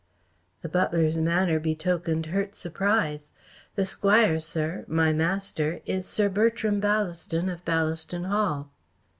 The butler's manner betokened hurt surprise. "The Squire, sir my master is Sir Bertram Ballaston of Ballaston Hall."